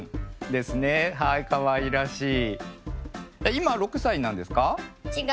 今６歳なんですか？